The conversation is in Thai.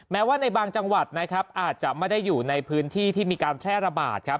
แม้ว่าในบางจังหวัดนะครับอาจจะไม่ได้อยู่ในพื้นที่ที่มีการแพร่ระบาดครับ